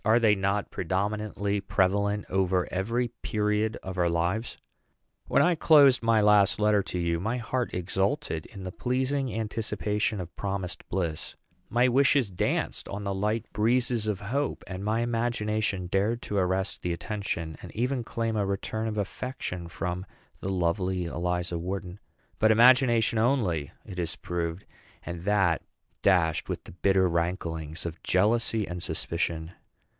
Are they not predominantly prevalent over every period of our lives? When I closed my last letter to you, my heart exulted in the pleasing anticipation of promised bliss; my wishes danced on the light breezes of hope; and my imagination dared to arrest the attention of, and even claim a return of affection from, the lovely Eliza Wharton. But imagination only it has proved, and that dashed with the bitter ranklings of jealousy and suspicion.